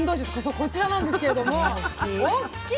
こちらなんですけれどもおっきいでしょ。